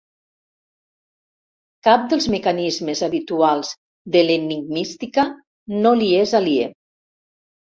Cap dels mecanismes habituals de l'enigmística no li és aliè.